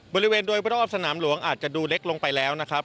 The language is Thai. บริเวณโดยรอบสนามหลวงอาจจะดูเล็กลงไปแล้วนะครับ